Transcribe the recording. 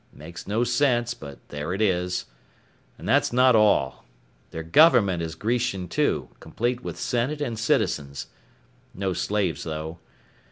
Makes no sense, but there it is. And that's not all. Their government is Grecian too, complete with Senate and Citizens. No slaves though.